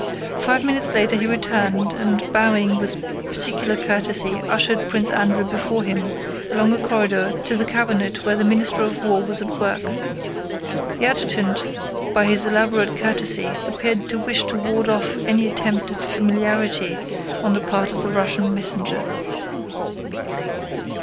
Five minutes later he returned and bowing with particular courtesy ushered Prince Andrew before him along a corridor to the cabinet where the Minister of War was at work. The adjutant by his elaborate courtesy appeared to wish to ward off any attempt at familiarity on the part of the Russian messenger.